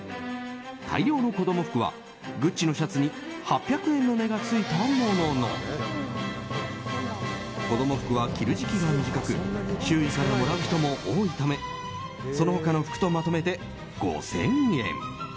大量の子供服はグッチのシャツに８００円の値がついたものの子供服は着る時期が短く周囲からもらう人も多いためその他の服とまとめて５０００円。